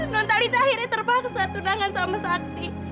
nontalita akhirnya terpaksa tunangan sama sakti